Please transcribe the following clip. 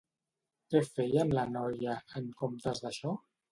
Què feia amb la noia, en comptes d'això?